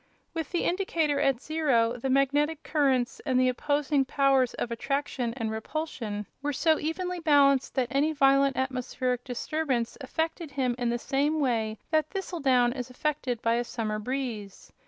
With the indicator at zero the magnetic currents and the opposing powers of attraction and repulsion were so evenly balanced that any violent atmospheric disturbance affected him in the same way that thistledown is affected by a summer breeze.